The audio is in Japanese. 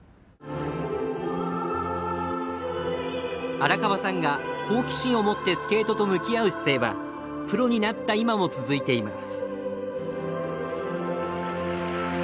荒川さんが好奇心を持ってスケートと向き合う姿勢はプロになった今も続いています。